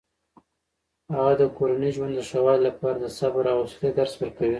هغه د کورني ژوند د ښه والي لپاره د صبر او حوصلې درس ورکوي.